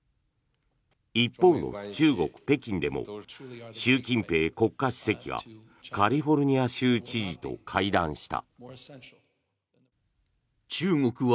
一方の中国・北京でも習近平国家主席がカリフォルニア州知事と会談した。